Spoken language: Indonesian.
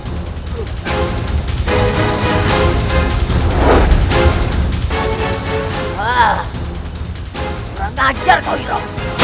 kurang ajar kau niro